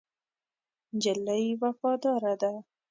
نجلۍ وفاداره ده.